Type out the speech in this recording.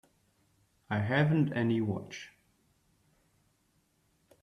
I haven't any watch.